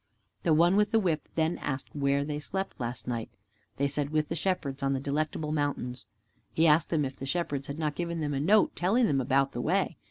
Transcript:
The one with the whip then asked them where they slept last night. They said, "With the Shepherds on the Delectable Mountains." He asked them if the Shepherds had not given them a note, telling them about the way.